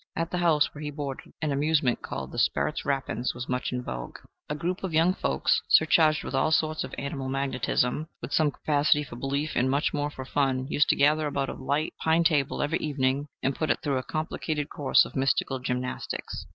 At the house where he boarded an amusement called the "Sperrit Rappin's" was much in vogue. A group of young folks, surcharged with all sorts of animal magnetism, with some capacity for belief and much more for fun, used to gather about a light pine table every evening, and put it through a complicated course of mystical gymnastics.